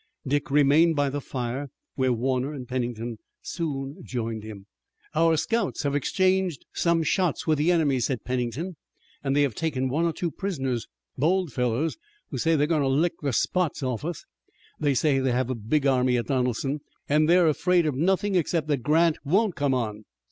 Dick remained by the fire, where Warner and Pennington soon joined him. "Our scouts have exchanged some shots with the enemy," said Pennington, "and they have taken one or two prisoners, bold fellows who say they're going to lick the spots off us. They say they have a big army at Donelson, and they're afraid of nothing except that Grant won't come on.